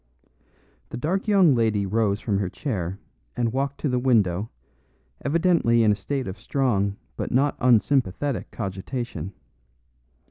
The dark young lady rose from her chair and walked to the window, evidently in a state of strong but not unsympathetic cogitation.